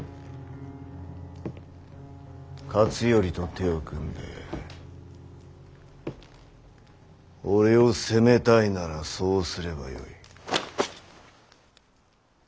勝頼と手を組んで俺を攻めたいならそうすればよい。